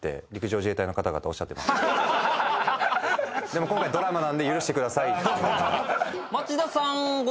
でも今回ドラマなんで許してくださいって。